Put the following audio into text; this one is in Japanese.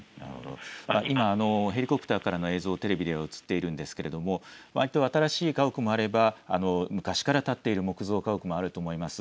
今、ヘリコプターからの映像がテレビで映っていますが新しい家屋もあれば昔から建っている木造家屋もあると思います。